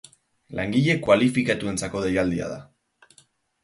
Langile kualifikatuentzako deialdia da.